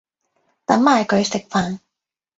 等埋佢食飯